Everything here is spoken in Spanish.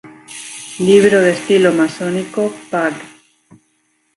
Libro de estilo masónico, Pag.